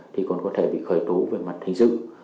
thì còn có thể bị khởi tố về mặt hình sự